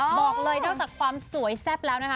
บอกเลยนอกจากความสวยแซ่บแล้วนะคะ